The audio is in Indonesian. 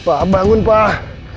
pak bangun pak